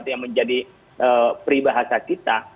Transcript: yang menjadi peribahasa kita